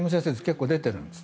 結構、出ているんです。